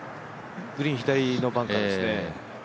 グリーン左側のバンカーですね。